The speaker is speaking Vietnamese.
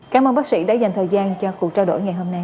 cảm ơn bác sĩ đã dành thời gian cho cuộc trao đổi ngày hôm nay